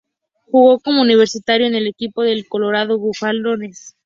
Jugó como universitario con el equipo de los Colorado Buffaloes.